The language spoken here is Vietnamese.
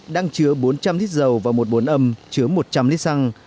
đang chứa bốn trăm linh lít dầu và một bốn âm chứa một trăm linh lít xăng